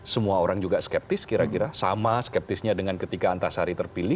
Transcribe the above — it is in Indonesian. semua orang juga skeptis kira kira sama skeptisnya dengan ketika antasari terpilih